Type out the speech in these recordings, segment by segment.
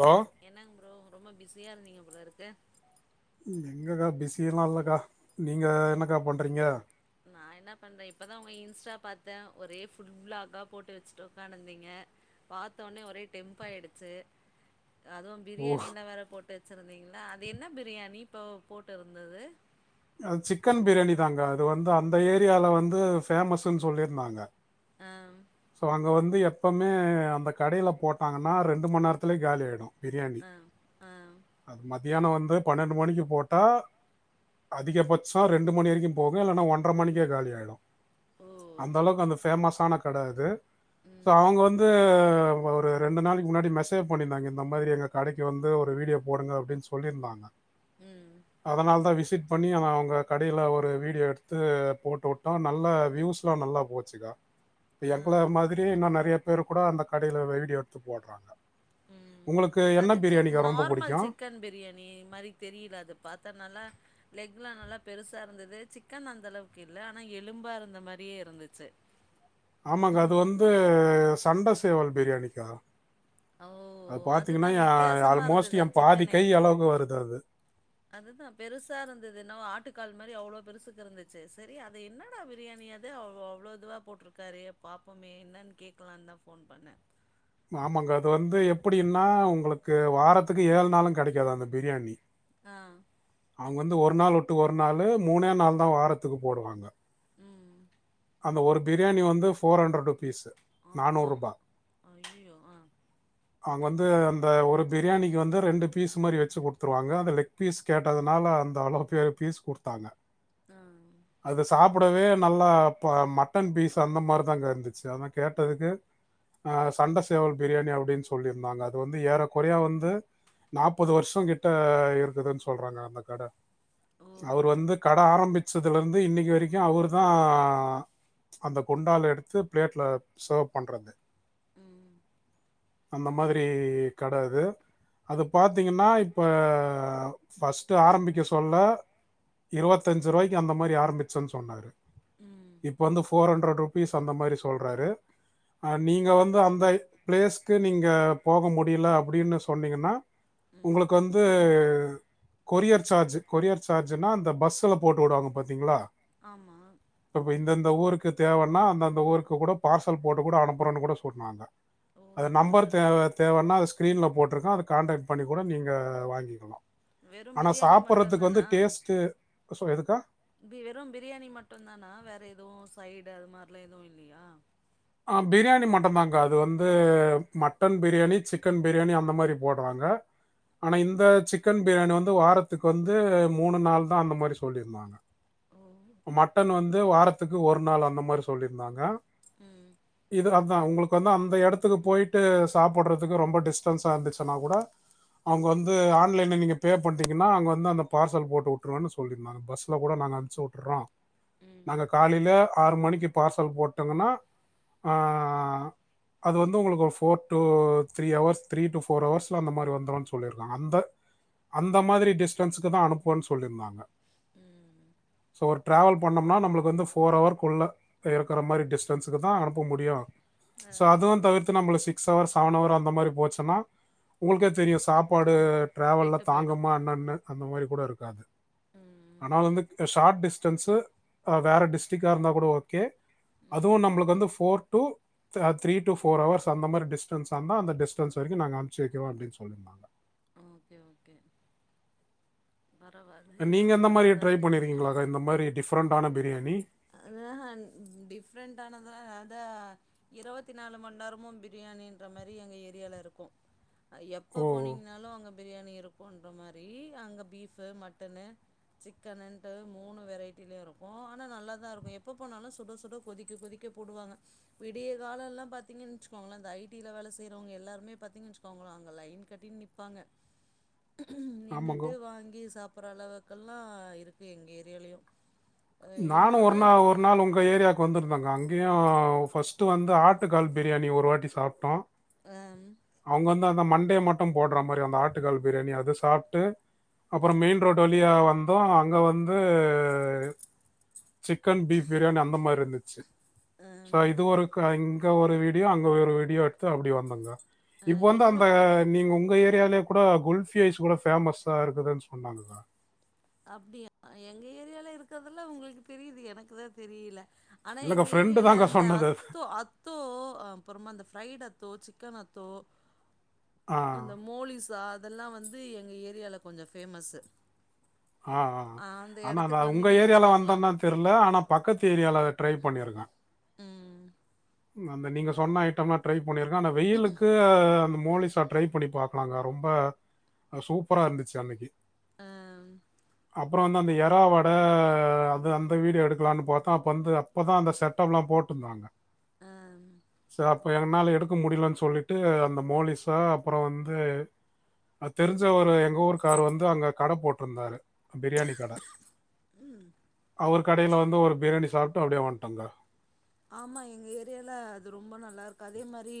Hello என்னங்க bro ரொம்ப பிஸியா இருந்தீங்கப்போல இருக்கு எங்கக்கா பிஸில்லா இல்லக்கா நீங்க என்னக்கா பண்றீங்க நா என்ன பண்றே, இப்பதா உங்க இன்ஸ்டா பாத்தே ஒரே ஃபுட் பிளாக்கா போட்டு வச்சுட்டு உக்காந்துட்டு இருந்தீங்க பாத்த உடனே ஒரே டெம்ப் ஆயிடுச்சு அதுவு ஓ பிரியாணின்லா வேற போட்டு வச்சிருந்தீங்ளா அது என்ன பிரியாணி இப்போ போட்டு இருந்தது அ சிக்கன் பிரியாணிதாக்கா அது வந்து அந்த ஏரியால வந்து ஃபேமஸ்ன்னு சொல்லியிருந்தாங்க ஆ சோ அங்க வந்து எப்பமே அந்த கடையில போட்டாங்கன்னா ரெண்டு மண்நேரத்துலயே காலி ஆயிடு ஆ ஆ தியான வந்து பன்னெண்டு மணிக்கு போட்டா அதிகபட்சோ ரெண்டு மணி வரைக்கு போகு இல்லன்னா ஒன்ட்ர மணிக்கே காலி ஆயிடு ஓ அந்த அளவுக்கு அந்த ஃபேமஸ்ஸான கட அது சோ ம் அவங்க வந்து ஒரு ரெண்டு நாளைக்கு முன்னாடி மெசேஜ் பண்ணிருந்தாங்க இந்த மாதிரி எங்க கடைக்கு வந்து ஒரு வீடியோ போடுங்க அப்டின்னு சொல்லியிருந்தாங்க ம் அதனாலதா விசிட் பண்ணி ஆனா அவங்க கடையில ஒரு வீடியோ எடுத்து போட்டு விட்டோ நல்ல வியூஸ்லா நல்லா போச்சுக்கா இப்ப ஆ எங்கள மாதிரி இன்னு நெறையா பேரு கூட அந்த கடையில வீடியோ எடுத்து போடறாங்க ம் அது சி ரொம்ப நார்மல் புடிக்கும்? சிக்கன் பிரியாணி மாரி தெரியல அத பாத்தனால லெக்லா நல்லா பெருசா இருந்துது சிக்கன் அந்த அளவுக்கு இல்ல ஆனா எலும்பா இருந்த மாரியே இருந்துச்சு ஆமாங்க அது வந்து சண்ட சேவல் பிரியாணிக்கா ஓ அது அதுதா பாத்திங்கனா எ வித்தியாசமா அல்மோஸ்ட் இருந்தது எ அந்த பாதி சிக்கனே கை அளவுக்கு வருது அது அதுதா பெருசா இருந்துது என்னவோ ஆட்டுக்கால் மாரி அவ்ளோ பெருசுக்கு இருந்துச்சு சரி அது என்னடா பிரியாணி அது அவ் அவ்ளோ இதுவா போட்ருக்காரே பாப்போமே என்னன் கேக்கலானுதா ஃபோன் பண்ண ஆமாங்க அது வந்து எப்படின்னா உங்களுக்கு வாரத்துக்கு ஏழு நாளு கெடைக்காது அந்த பிரியாணி ஆ அவங்க வந்து ஒரு நாள் உட்டு ஒரு நாளு மூணே நாள்தா வாரத்துக்கு போடுவாங்க ம் அந்த ஒரு பிரியாணி வந்து ஃபோர் ஹண்ட்ரட் ருபீஸ் அப்பா ஐயயோ ஆ அவங்க வந்து அந்த ஒரு பிரியாணிக்கு வந்து ரெண்டு பீஸ் மாரி வெச்சு குடுத்துருவாங்க அந்த லெக் பீஸ் கேட்டதுனால அந்த அளவுக்கு பீஸ் குடுத்தாங்க ஆ அது சாப் டவே நல்லா இப்ப மட்டன் பீஸ் அந்த மாரிதாங்க இருந்துச்சு அதா கேட்டதுக்கு அ சண்ட சேவல் பிரியாணி அப்டின்னு சொல்லிருந்தாங்க அது வந்து ஏற கொறைய வந்து நாப்பது வருஷங் கிட்ட இருக்குதுன் சொல்றாங்க அந்த கட ஓ அவரு வந்து கடை ஆரம்பி ச்சலருந்து இன்னைக்கு வரைக்கு அவருதா அந்த குண்டால எடுத்து பிளேட்ல சர்வ் பண்றது ம் அந்த மாதிரி கடை அது அது பாத்திங்கன்னா இப்ப ஃபஸ்ட் ஆரம்பிக்க சொல்ல இருபத்தஞ்சு ருவாய்க்கு அந்த மாரி ஆரம்பிச்சன் சொன்னாரு ம் இப்ப வந்து ஃபோர் ஹண்ட்ரட் ருபீஸ் அந்த மாரி சொல்றாரு நீங்க வந்து அந்த ப்ளேஸ்க்கு நீங்க போக முடியல அப்படின்னு சொன்னிங்கன்னா ம் உங்களுக்கு வந்து கொரியர் சார்ஜ் கொரியர் சார்ஜுனா அந்த பஸ்ஸுல போட்டு உடுவாங்க பாத்திங்ளா ஆமா இப்பப்ப இந்தந்த ஊருக்கு தேவன்னா அந்தந்த ஊருக்கு கூட பார்சல் போட்டு கூட அனுப்புறன்னு கூட சொன்னாங்க ஓ அது நம்பர் தே பரவாயில்லையே தேவன்னா அது ஸ்கிரீன்ல போட்ருக்கு அது கான்டக்ட் பண்ணி கூட நீங்க வாங்கிக்கலா வெறும் பிரியாணி மட்டுந்தானா டேஸ்ட்டு ஸோ எதுக்கா வெறும் பிரியாணி மட்டுந்தானா வேற எதுவு சைடு அது மாரில்லா எதுவு இல்லையா ஆ பிரியாணி மட்டுந்தாங்க்கா அது வந்து மட்டன் பிரியாணி சிக்கன் பிரியாணி அந்த மாரி போடுறாங்க ஆனா இந்த சிக்கன் பிரியாணி வந்து வாரத்துக்கு வந்து மூணு நாள்தா அந்த மாரி சொல்லிருந்தாங்க ஓ ஒரு நாள் அந்த மாரி சொல்லிருந்தாங்க ம் தா உங்களுக்கு வந்து அந்த எடத்துக்கு போய்டட்டு சாப்படுறதுக்கு ரொம்ப டிஸ்டன்ஸா இருந்துச்சுனா கூட அவங்க வந்து ஆன்லைன்ல நீங்க பே பண்ட்டிங்கனா அவங்க வந்து அந்த பார்சல் போட்டு உட்ருவன்னு சொல்லிருந்தாங்க பஸ்ல கூட நாங்க அனுப்ச்சு உர்றோ ம் நாங்க காலையில ஆறு மணிக்கு பார்சல் போட் டங்கனா ஆ அது வந்து உங்களுக்கு ஒரு four two three hours three two four அவர்ஸ்ல அந்த மாரி வந்துருன் சொல்லிருக்காங்க அந்த அந்த மாதிரி டிஸ்டன்ஸுக்குதா அனுப்புவன் சொல்லிருந்தாங்க ம் ஸோ ஒரு ட்ராவல் பண்ணம்னா நம்மளுக்கு வந்து ஃபோர் அவர்க்குள்ள இருக்கற மாரி டிஸ்டன்ஸுக்குதா அனுப்ப முடியு ஆ சோ அதுவு தவிர்த்து நம்மள சிக்ஸ் ஹவர்ஸ் செவன் அவர் அந்த மாரி போச்சுன்னா உங்களுக்கே தெரியு சாப்பாடு ஆமா ட்ராவல்ல கெட்டு போயிடு தாங்குமா என்னன்னு அந்த மாரி கூட இருக் அது ம் ஆனா வந்து டிஸ்டன்ஸு வேற டிஸ்ட்ரிக்கா இருந்தா கூட ஓகே அதுவு ம் நம்பளுக்கு வந்து four two three two four hours அந்த மாரி டிஸ்டன்ஸா இருந்தா அந்த டிஸ்டன்ஸ் வரைக்கு நாங்க அனுப்ச்சி வெக்கிறோ அப்டின் சொல்லிருந்தாங்க ஓகே ஓகே பரவால்ல நீங்க இதுவு அந்த மாரி நல்லாதா ட்ரை பண்ணிருக்கிங்களாக்கா இந்த மாதிரி டிஃபரண்ட்டான பிரியாணி ஆ ஹ டிஃப்ரெண்ட்டானதா அதா இருவத்தி நாலு மண் நேரமு பிரியாணின்ற மாரி எங்க ஏரியால இருக்கு எப்போ ஓ போனிங்கனாலு அங்க பிரியாணி இருக் குன்ற மாரி அங்க பீஃபு மட்டன்னு சிக்கனுன்ட்டு மூணு வெரைட்டிலயு இருக்கு ஆனா நல்லாதா இருக்கு எப்ப போனாலு சுட சுட கொதிக்க கொதிக்க போடுவாங்க விடிய கால எல்லா பாத்திங்கன் வெச்சுக்கோங்களே இந்த ஐ டி ல வேல செய்யறவங்க எல்லாருமே பாத்திங்கன் வெச்சுகோங்ளா அங்க லைன் கட்டி நிப்பாங்க ஆமாங்க நின்னுட்டு வாங்கி சாப் புற அளவுக்கெல்லா இருக்கு எங்க ஏரியாலயு அ நானு ஒரு இன்னொன்னு நா ஒரு நாள் உங்க ஏரியாக்கு வந்திருந் த அங்கயு ஃபர்ஸ்ட்டு வந்து ஆட்டு கால் பிரியாணி ஒரு வாட்டி சாப்ட்டோ அம் அவங்க வந்து அந்த மண் டே மட்டு போடற மாரி அந்த ஆட்டுக்கால் பிரியாணி அது சாப்ட்டு அப்புற மெயின் ரோட் வழியா வந்தோ அங்க வந்து சிக்கன் பீஃப் பிரியாணி அந்த மாரி இருந்துச்சு சோ அம் இது ஒருக் இங்க ஒரு வீடியோ அங்க ஒரு வீடியோ எடுத்து அப்டி வந்தங்க்கா அ இப்ப வந்து இன்னு அந்த நீங்க உங்க ஏ ரியாலயே கூட குல்ஃபி ஐஸ் கூட பேமஸா இருக்குதுன்னு சொன்னாங்ளா அப்டியா எங்க ஏரியால இருக்கிறதுலா உங்களுக்கு தெரியுது எனக்குதா தெரியில ஆனா இல்லங்க எங்க ஃப்ரெண்டு ஏரியால தாங்க அந்த சொன்னது அது. அத்தோ அத்தோ அப்புறமா அந்த ஃபிரைடு அத்தோ சிக்கன் அத்தோ ஆ, அந்த மோலிசா அதெல்லா வந்து எங்க ஏரியால கொஞ்ச ஃபேமஸ்ஸு ஆ ஆ அந்த ஆனா நா எடத்துக்கு உங்க வந்தீங்கன்னு ஏரியால வச்சுக்கோங்களே வந்தனா தெர்ல ஆனா பக்கத்து ஏரியால ட்ரை பண்ணிருக்க ம் அந்த நீங்க சொன்ன ஐட்டம்லா ட்ரை பண்ணிருக்க ஆனா வெயிலுக்கு அந்த மோலிசா ட்ரை பண்ணி பாக்லாங்க ரொம்ப சூப்பரா இருந்துச்சு அன்னைக்கு ஆ அப்பறோ வந்து அந்த எறாவடை அது அந்த வீடியோ எடுக்கலான்னு பாத்தா அப்ப வந்து அப்பதா அந்த செட்டப்லா போட்ருந்தாங்க அம் சரி அப்ப எங்கனால எடுக்க முடியலனு சொல்லிட்டு அந்த மோலிசா அப்பறோ வந்து அ தெரிஞ்ச ஒரு எங்க ஊருக்கரு வந்து அங்க கடை போட்ருந்தாரு பிரியாணி கடை அவரு கடைல வந்து ஒரு பிரியாணி சாப்ட்டு அப்படியே வந்ட்டோங்க ஆமா எங்க ஏரியால அது ரொம்ப நல்லா இருக்கு அதே மாரி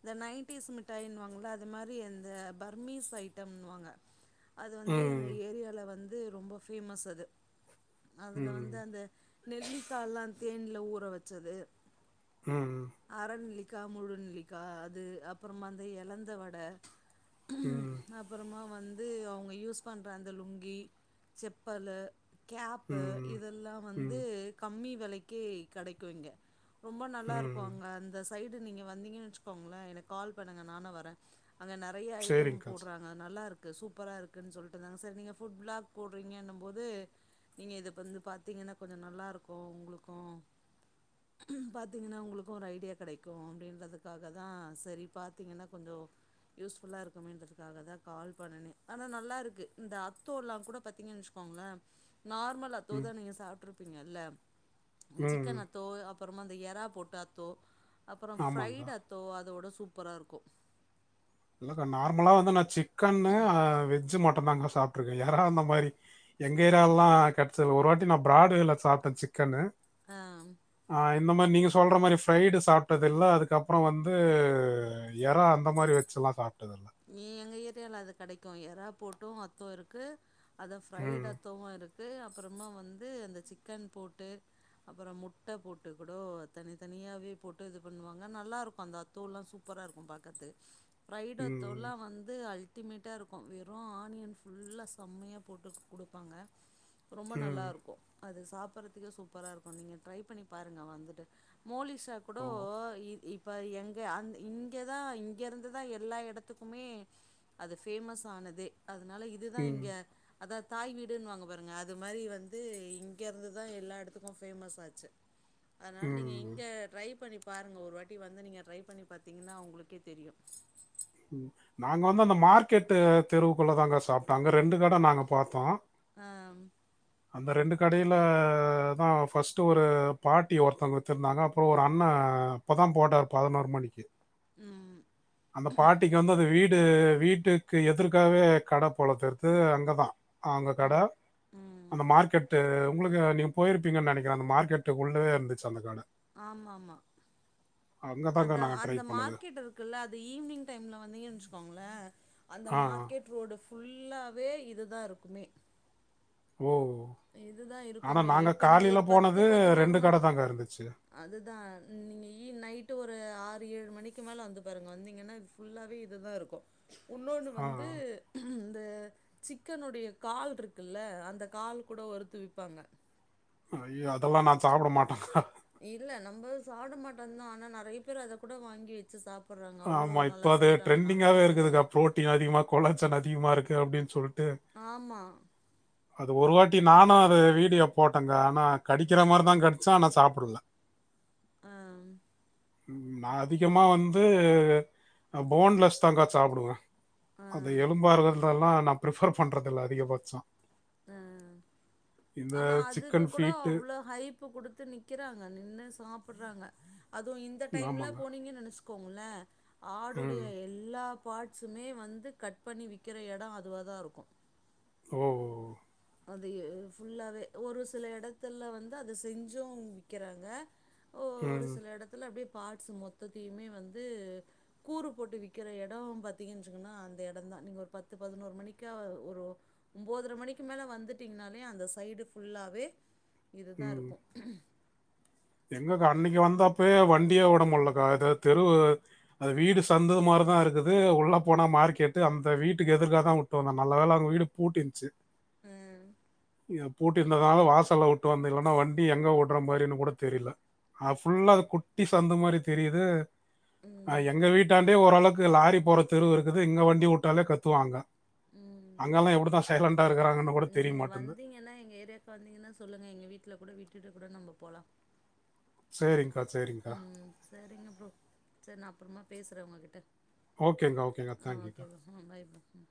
இந்த நைன்டிஸ் மிட்டாய்னுவாங்கல அந்த மாரி இந்த பர்மிஸ் ஐட்டம்னுவாங்க அது வந்து எங்க ம் ஏரியால வந் து ரொம்ப ஃபேமஸ் அது அதுல வந்து ம் அந்த நெல்லிக்காலா தேன்ல ஊற வச் ச்சது ம் க்கா முழுநெல்லிக்கா அது அப்றமா அந்த எலந்த வடை ம் அப்பறமா வந் து அவங்க யூஸ் பண்ற அந்த லுங்கி, செப்பலு கேப்பு ம் இதெல்லா வந்து ம் கம்மி வெலைக்கி கெடைக் இருக்குங்க ரொம்ப நல்லா ம் இருக்கும் அங்க அந்த சைடு நீங்க வந்தீங்கன்னு வச்சுக்கோங்களேன் எனக்கு கால் பண்ணுங்க நானும் வரேன் அங்க நிறைய ஐட்டம் சரிங்கக்கா சரி. போடுறாங்க நல்லா இருக் சூப்பராக இருக்குதுன்னு சொல்லிட்டுருந்தாங்க சார் நீங்கள் ஃபுட் பிளாக் போடுறீங்கங்க போது நீங்கள் இ இப் வந்து பார்த்தீங்கன்னா கொஞ்சம் நல்லாயிருக்கும் உங்களுக்கும் பாத்தீங்கன்னா உங்களுக்கும் ஒரு ஐடியா கிடைக்கும் அப்படின்றதுக்காக தான் சரி பாத்தீங்கன்னா கொஞ்சம் யூஸ்புல்லா இருக்குமன்றதுக்காக தான் கால் பண்னே ஆனா நல்லா இருக்கு இந்த அத்தோல்லாம் கூட பாத்தீங்கன்னு வச்சுக்கோங்களேன் நார்மல் அத்தோ ம் தான் நீங்க சாப்பிட எல்லாம் சிக்கன் ம் அ அப்பறமா அந்த எறா போட்டாத்தோ அப்பறம் ஆமாங்க ஃப்ரைட் அத்தோ அதோட சூப்பரா இருக்கும் இல்லக்கா நார்மலா வந்து நான் சிக் சிக்கன் வெஜ் மட் நாங்க சாப்பிட்டுருக்க எரா அந்த மாதிரி எங்க ஏரியாவெல்லாம் கிடைச்சது ஒரு வாட்டி நான் பிராடுவேல சாப்பிட்டேன் சிக்கன் ம் ஆஹ் இந்த மாரி நீங்க சொல்ற மாரி ஃபிரைடு சாப்ட்டதில்ல அதுக்கப்புற வந்து எறா அந்த மாரி லா சாப்ட்டதில் எ எங்க ஏரியால அது கெடைக்கு எறா போட்டு அத்தோ இருக்கு அது ஃப்ரைடு ம் அத்தோவு இருக் கு அப்புறமா வந்து அந்த சிக்கன் போட்டு அப்புற முட்டை போட்டு கூட தனித்தனியாவே போட்டு இது பண்ணுவாங்க நல்லாருக்கு அந்த அத்தோலா சூப்பரா இருக்கு பாக்கறத்துக்கு ஃபிரைடு அத் தோலா ம் வந்து அல் டிமேட்டா இருக்கு வெறு ஆனியன் ஃபுல்லா செமையா போட்டு குடுப்பாங்க ரொம்ப நல்லா ம் இருக்கு அது சாப்பிடறதுக்கே சூப்பரா இருக்கு நீங்க ட்ரை பண்ணி பாருங்க வந்துட்டு மோலிஷ் ஆ கூடோ ஓ இ இப் ப எங்க அ இங்கதா இங்க இருந்துதா எல்லா எடத் துக்குமே அது ஃபேமஸ் ஆனதே அதனால இதுதா ம் இங்க அதாது தாய் வீடுன்னு வாங்க பாருங்க அது மாரி வந்து இங்கருந்துதா எல்லா எடத்துக்கு ஃபேமஸ் ஆச்சு அதனால நீங்க ம் இங்க ட்ரை பண்ணி பாருங்க ஒரு வாட்டி வந்து நீங்க ட்ரை பண்ணி பாத்தீங்கன்னா உங்களுக்கே தெரியு நாங்க வந்து அந்த மார்க்கெட்டு தெருவுக்குள்ள தாங்க சாப்ட்டோ அங்க ரெண்டு கட நாங்க பாத்தோ ஆ ம் அந்த ரெண்டு கடையிலதா ஃபஸ்ட்டு ஒரு பாட்டி ஒருத்தங்க வித்ருந்தாங்க அப்பறொ ஒரு அண்ண அப்போதா போட்டார் பதினோர் மணிக்கு அந்த ம் பாட்டிக்கு வந்து அந்த வீ ட்டு வீட்டுக்கு எதுர்க்காவே கட போல தெர்து அங்கதா அவங்க கட ம் ம் அந்த மார்க்கெட்டு உங்களுக்கு நீங்க போயிருப்பீங்கன் நெனக்கிற அந்த மார்க்கெட்டுக்குள்ளவே இருந்துச்சு அந்த கட ஆமா ஆமா அங்க தாங்க அதா நாங்க ட்ரை அந்த பண்ணது. மார்க்கெட் இருக்குல்ல அது ஈவ்னிங் டைம்ல வந்தீங்கன் வச்சுக்கோங்ள அந்த ஆ. மார்க்கெட் ரோடு ஃபுல்லாவே இதுதா இருக்குமே ஓ இதுதா ஆனா இருக்குமே நாங்க இப்ப நீங்க காலையில ஒரு பத்து போனது பதினோரு மண் கடை தாங்க இருந்துச்சு. அதுதா நீங்க ஈ நைட்டு ஒரு ஆ று ஏழு மணிக்கு மேல வந்து பாருங்க வந்தீங்கன்னா ஃபுல்லாவே இதுதா இருக்கு உன்னோன்னு ஆ. வந்து சிக்கனுடைய கால் இருக்குல்ல அந்த கால் கூட ஒருத்தரு விப்பாங்க ஐயோ அதெல்லா நா சாப்ட மாட்டங்க்கா இல்ல நம்ப சாப்ட மாட்டோந்தா ஆனா நறைய பேர் அத கூட வாங்கி வச்சு சாப் ஆமா இப்ப அது ட்ரெண்டிங்காவே சாப்ட்டதில்ல இருக்குதுக்கா பு்ரோட்டீன் அதிகமா கொலாச்சன் அதிகமா இருக்கு அப்டின் சொல் ட்டு ஆமா. அத ஒரு வா ட்டி நானு அத வீடியோ போட்டங்க்கா ஆனா கடிக்கிற மார்தா கடிச்சா ஆனா சாப்புட்ல அ, நா அதிகமா வந் து போன்லெஸ் தாங்க்கா சாப்டுவ அ, அது எலும்பாருந்தால்லா நா ப்ரிஃபர் பண்றதில்ல அதிகபட்சொ ஆ ஆனா அதுக்கு சிக்கன் கூட ஃபீட்டு அவ்ளோவ் ஹைப்பு குடுத்து நிக்கிறாங்க நின்னு சாப் புர்றாங்க அதுவு இந்த டைம்ல ஆமாங்க. போனீங்கன் நெனச் கோங்ள ஆடுடைய ம். எல்லா பார்ட்ஸுமே வந்து கட் பண்ணி விக்கற எட அதுவாதா இருக்கு ஓ அதய ஃபுல்லாவே ஒரு சில எடத்துல வந்து அத செஞ்சும் விக்கறாங்க ஓ ஒரு ம், சில எடத்துல அப்டியே பார்ட்ஸ் மொத்தத்தையுமே வந்து கூறு போட்டு விக்கற எட பாத்திங்கன் வெச்சுக்கனா அந்த எடந்தா நீங்க ஒரு பத்து பதினோரு மணிக்கா ஒரு ஒம்போதரை மணிக் கு மேலே வந்துட்டிங்னாலே அந்த சைடு ஃபுல்லாவே இதுதா ம். இருக்கு எங்கக்கா அன்னைக்கு வந்தாப்பயே வண்டியே வுட முடியலக்கா ஏதா தெரு அது வீடு சந்துல மாரிதா இருக்குது உள்ள போனா மார்க்கெட்டு அந்த வீட்டுக்கு எதிர்க்காதா வுட்டு வந்தோ நல்ல வேல அவுங்க வீடு பூட்டிருந்ச்சு ம் பூட்டிருந்ததுனால வாசல்ல வுட்டு வந்த இல்லனா வண்டி எங்க உடற மாரினு கூட தெரில அ ஃபுல்லா அது குட்டி சந்து மாரி தெரிது ம். எங்க வீட்டாண்டயே ஓரளவுக்கு லாரி போற தெருவு இருக்குது இங்க வண்டி வுட்டாலே கத்துவாங்க ம். அங்கெல்லா எப்படிதா ச டேலன் நீங்க வந்திங்கன்னா எங்க ஏரியாக்கு வந்திங்கன்னா சொல்லுங்க எங்க வீட்ல கூட விட்டுட்டு கூட நம்ப போலா சரிங்க்கா, சரிங்க்கா. ம் சரிங்க ப்ரோ செரி நா அப்பறமா பேசற உங்ககிட்ட ஓகேங்கா ஓகேங்கா ஆ ஓகே தேங்க்யூகா ப்ரோ ம் பை ப்ரோ ம்